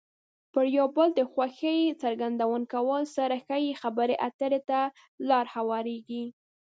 پر یو بل د خوښۍ څرګندونه کولو سره ښې خبرې اترې ته لار هوارېږي.